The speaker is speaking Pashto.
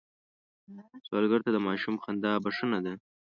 سوالګر ته د ماشوم خندا بښنه ده